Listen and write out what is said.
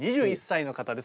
２１歳の方です。